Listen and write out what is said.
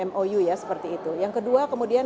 mou ya seperti itu yang kedua kemudian